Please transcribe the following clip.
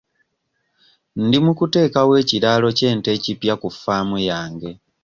Ndi mu kuteekawo ekiraalo ky'ente ekipya ku ffaamu yange.